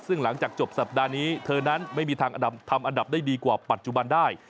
ซึ่งหลังจากจบสัปดาห์นี้เธอนั้นไม่มีทางทำอันดับได้ดีกว่าปัจจุบันได้